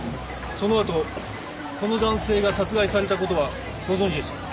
そのあとこの男性が殺害された事はご存じでしたか？